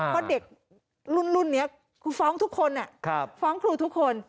เพราะเด็กรุ่นนี้ครูฟ้องทุกคนฟ้องครูทุกคน